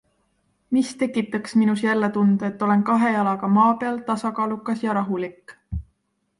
Mis tekitaks minus jälle tunde, et olen kahe jalaga maa peal, tasakaalukas ja rahulik?